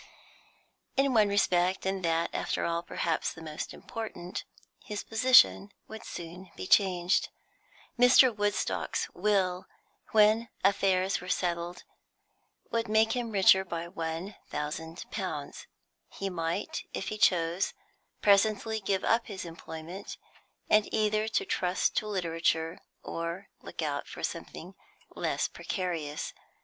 In one respect, and that, after all, perhaps the most important, his position would soon be changed. Mr. Woodstock's will, when affairs were settled, would make him richer by one thousand pounds; he might, if he chose, presently give up his employment, and either trust to literature, or look out for something less precarious.